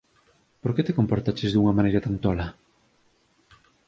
Por que te comportaches dunha maneira tan tola?